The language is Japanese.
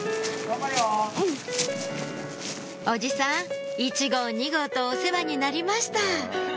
おじさん１号２号とお世話になりました